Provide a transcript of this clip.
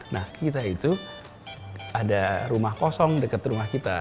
nah kita itu ada rumah kosong dekat rumah kita